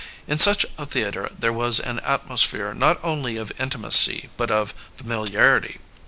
In such a thea tre there was an atmosphere not only of intimacy but of familiarity.